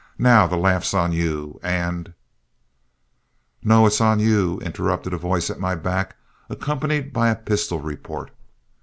Now, the laugh's on you, and " "No, it's on you," interrupted a voice at my back, accompanied by a pistol report.